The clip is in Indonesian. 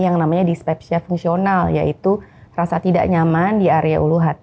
yang namanya dispepsia fungsional yaitu rasa tidak nyaman di area ulu hati namun pada saat